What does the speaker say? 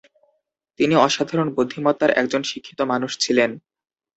তিনি অসাধারণ বুদ্ধিমত্তার একজন শিক্ষিত মানুষ ছিলেন।